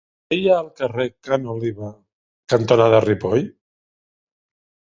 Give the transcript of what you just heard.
Què hi ha al carrer Ca n'Oliva cantonada Ripoll?